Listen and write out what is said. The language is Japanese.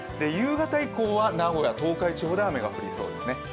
夕方以降は名古屋、東海地方で雨が降りそうです。